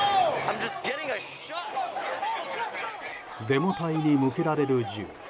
デモ隊に向けられる銃。